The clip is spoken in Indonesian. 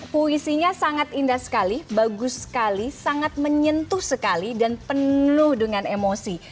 puisinya sangat indah sekali bagus sekali sangat menyentuh sekali dan penuh dengan emosi